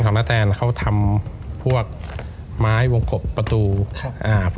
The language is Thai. ก็อยู่อาลานยาประเทศ